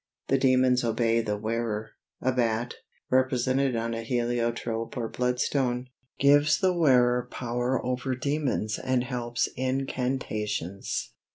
The demons obey the wearer. A bat, represented on a heliotrope or bloodstone, gives the wearer power over demons and helps incantations.